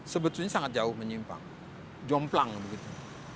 sebetulnya sangat jauh menyimpang jomplang begitu